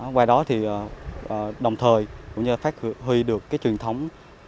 qua đó đồng thời cũng như phát huy được truyền thống